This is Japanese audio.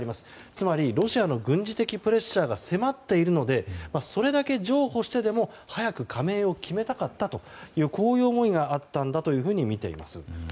つまりロシアの軍事的プレッシャーが迫っているのでそれだけ譲歩してでも早く加盟を決めたかったというこういう思いがあったんだとみています。